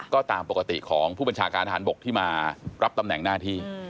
ก็ต่างปกติของผู้เป็นชาการหารบทธิ์มารับตำแหน่งหน้าที่